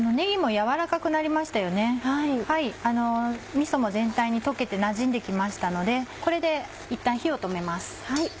みそも全体に溶けてなじんで来ましたのでこれでいったん火を止めます。